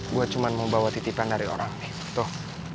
gue cuma mau bawa titipan dari orang nih tuh